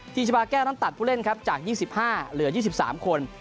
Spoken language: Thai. ที่จะมาแก้วน้ำตัดผู้เล่นครับจาก๒๕เหลือ๒๓คน